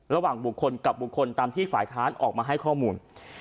ระหว่างบุคคลกับบุคคลตามที่ฝ่ายค้านออกมาให้ข้อมูล